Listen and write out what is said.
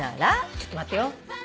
ちょっと待ってよ。